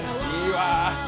いいわ。